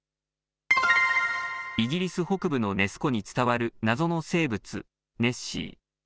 イギリス北部のネス湖に伝わる謎の生物、ネッシー。